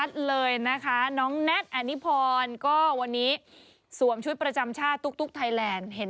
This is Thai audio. ทำไมขาดความอบอุ่นมาจากไหนเหรอ